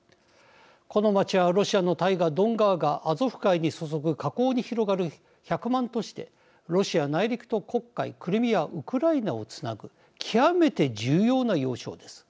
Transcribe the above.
この街はロシアの大河、ドン川がアゾフ海に注ぐ河口に広がる１００万都市でロシア内陸と黒海クリミア、ウクライナをつなぐ極めて重要な要衝です。